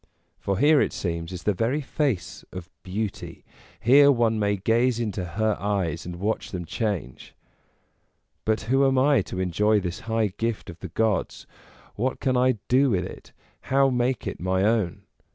For here, it seems, is the very face of Beauty, here one may gaze into her eyes and watch them change. But who am I to enjoy this high gift of the gods? what can I do with it, how make it my own?